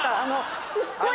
すっごい